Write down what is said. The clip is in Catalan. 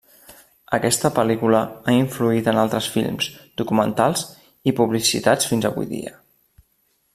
Aquesta pel·lícula ha influït en altres films, documentals i publicitats fins avui dia.